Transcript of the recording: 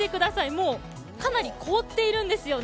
もうかなり凍ってるんですね。